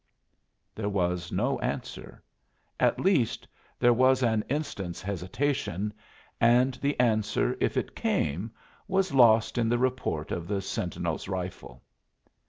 There was no answer; at least there was an instant's hesitation, and the answer, if it came, was lost in the report of the sentinel's rifle.